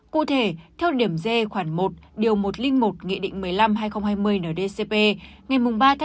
cụ thể theo điểm dê khoảng một điều một trăm linh một nghị định một mươi năm hai nghìn hai mươi nldcp ngày ba hai hai nghìn hai mươi